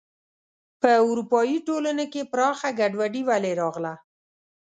په اروپايي ټولنې کې پراخه ګډوډي ولې راغله.